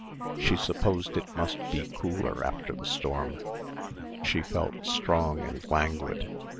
She supposed it must be cooler after the storm. She felt strong and languid.